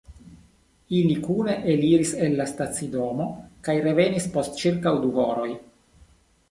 Ili kune eliris el la stacidomo kaj revenis post ĉirkaŭ du horoj.